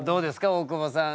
大久保さん。